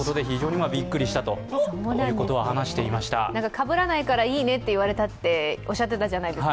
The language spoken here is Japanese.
かぶらないからいいねって言われたとおっしゃっていたじゃないですか。